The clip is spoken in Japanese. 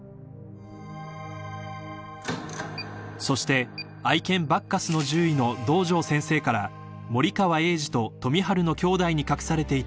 ［そして愛犬バッカスの獣医の堂上先生から森川栄治と富治の兄弟に隠されていた秘密が明かされる］